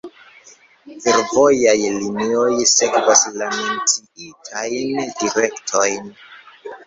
Fervojaj linioj sekvas la menciitajn direktojn.